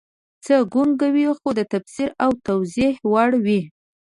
څه ګونګ وي خو د تفسیر او توضیح وړ وي